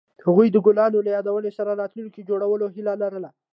هغوی د ګلونه له یادونو سره راتلونکی جوړولو هیله لرله.